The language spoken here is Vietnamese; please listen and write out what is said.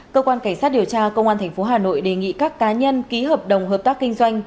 cơ quan cảnh sát điều tra công an tp hà nội đề nghị các cá nhân ký hợp đồng hợp tác kinh doanh